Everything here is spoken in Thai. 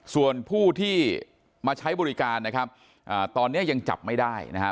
ส่วนผู้ที่มาใช้บริการนะครับตอนนี้ยังจับไม่ได้นะฮะ